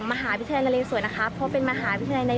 สำหรับพระพุทธชินราชหรือหลวงพ่อใหญ่เป็นพระพุทธรูปปางมารวิชัยขนาดใหญ่